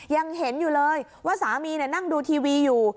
ยังเห็นอยู่เลยว่าสามีนั่งดูทีวีอยู่